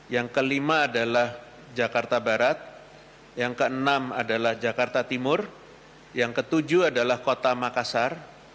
yang kelima adalah jakarta barat yang keenam adalah jakarta timur yang ketujuh adalah kota makassar